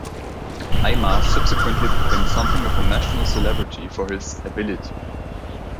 Aymar subsequently became something of a national celebrity for his "ability".